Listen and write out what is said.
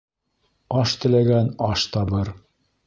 Аш теләгән аш табыр